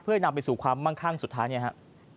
เพื่อนำไปสู่ความมั่งคั่งสุดท้ายเนี่ยครับ